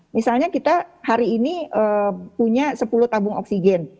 misalnya kita hari ini punya sepuluh tabung oksigen